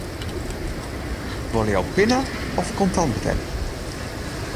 Wolle jo pinne of kontant betelje?